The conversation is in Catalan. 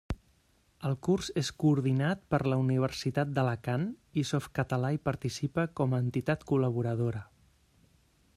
El curs és coordinat per la Universitat d'Alacant, i Softcatalà hi participa com a entitat col·laboradora.